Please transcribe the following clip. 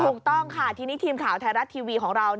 ถูกต้องค่ะทีนี้ทีมข่าวไทยรัฐทีวีของเรา